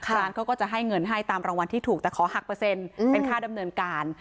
ร้านเขาก็จะให้เงินให้ตามรางวัลที่ถูกแต่ขอหักเปอร์เซ็นต์เป็นค่าดำเนินการ